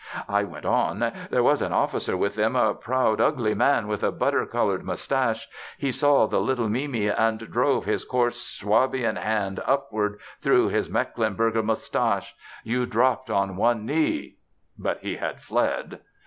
I went on. "There was an officer with them, a proud, ugly man with a butter colored mustache. He saw the little Mimi and drove his coarse Suabian hand upward through his Mecklenburger mustache. You dropped on one knee...." But he had fled.